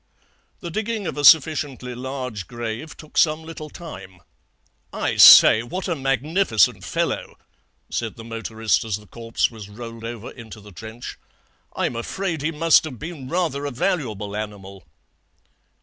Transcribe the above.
"The digging of a sufficiently large grave took some little time. 'I say, what a magnificent fellow,' said the motorist as the corpse was rolled over into the trench. 'I'm afraid he must have been rather a valuable animal.'